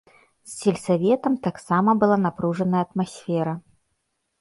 З сельсаветам таксама была напружаная атмасфера.